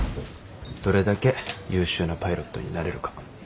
どれだけ優秀なパイロットになれるか。